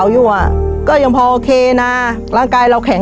ชีวิตหนูเกิดมาเนี่ยอยู่กับดิน